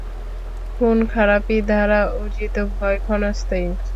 খুনখারাপি দ্বারা অর্জিত ভয় ক্ষণস্থায়ী।